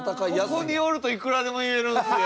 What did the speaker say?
ここにおるといくらでも言えるんですよ！